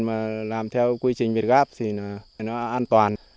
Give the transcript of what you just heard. mà làm theo quy trình việt gáp thì nó an toàn